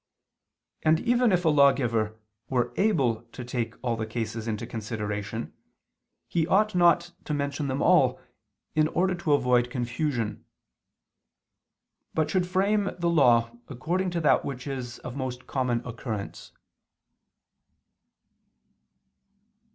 And even if a lawgiver were able to take all the cases into consideration, he ought not to mention them all, in order to avoid confusion: but should frame the law according to that which is of most common occurrence.